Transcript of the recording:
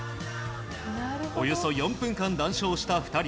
およそ４分間談笑した２人。